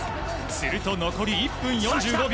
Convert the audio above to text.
すると残り１分４５秒。